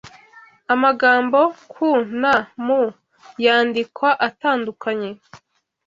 Amagambo ku na mu yandikwa atandukanye